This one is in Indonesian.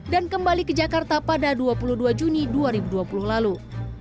dan kembali ke jakarta pada dua puluh dua juni dua ribu dua puluh lalu